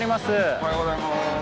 おはようございます。